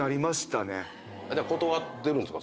断ってるんですか？